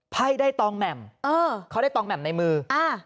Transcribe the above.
ไพ่ได้ตองแหม่มเออเขาได้ตองแหม่มในมืออ่า